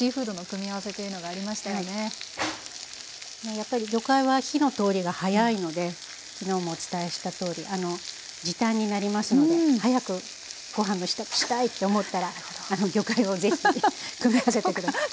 やっぱり魚介は火の通りが早いので昨日もお伝えしたとおり時短になりますので早くご飯の支度したいって思ったら魚介を是非組み合わせて下さい。